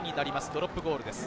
ドロップゴールです。